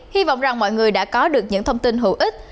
hy vọng rằng mọi người đã có được những thông tin hữu ích